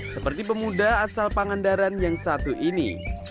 seperti pemuda asal pangandaran yang satu ini